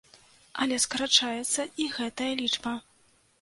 Але скарачаецца і гэтая лічба.